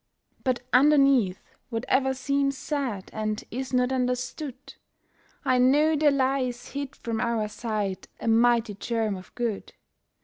But underneath whate'er seems sad and is not understood, I know there lies hid from our sight a mighty germ of good.